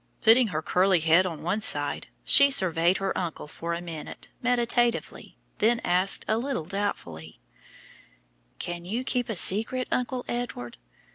Putting her curly head on one side, she surveyed her uncle for a minute meditatively, then asked, a little doubtfully: "Can you keep a secret, Uncle Edward?